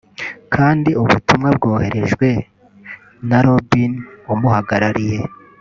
kandi ubutumwa bwoherejwe na Rob umuhagarariye